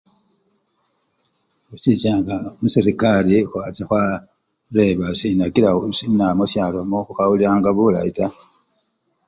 khuchichanga khuserekari khwacha khwareba sinakila musyalomu khukhawulilanga bulayi taa